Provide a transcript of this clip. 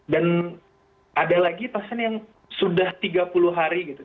dan ada lagi pasang yang sudah tiga puluh hari gitu